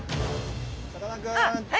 さかなクン！